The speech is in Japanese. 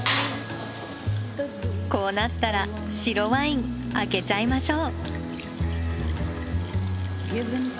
こうなったら白ワイン開けちゃいましょう。